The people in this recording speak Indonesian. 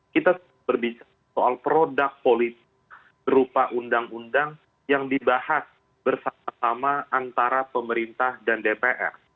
kita berbicara soal produk politik berupa undang undang yang dibahas bersama sama antara pemerintah dan dpr